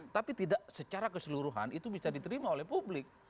tapi tidak secara keseluruhan itu bisa diterima oleh publik